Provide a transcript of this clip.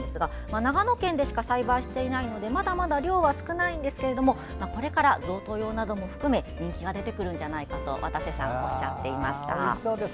長野県でしか栽培していないので量は少ないんですがこれから贈答用なども含めて人気が出てくるんじゃないかと渡瀬さん、おっしゃっていました。